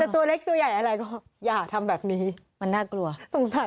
ถุงปิดหมดแล้วอะ